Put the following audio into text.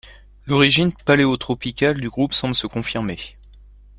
L'origine paléotropicale du groupe semble se confirmer.